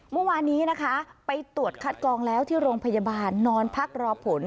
เมื่อวานนี้นะคะไปตรวจคัดกองแล้วที่โรงพยาบาลนอนพักรอผล